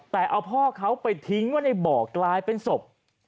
แต่เอาพ่อเขาไปทิ้งไว้ในบ่อกลายเป็นศพ